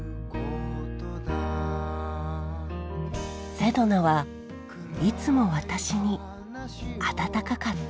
セドナはいつも私に温かかった